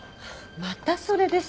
またそれですか。